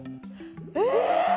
えっ！？